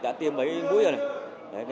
đã tiêm mấy mũi rồi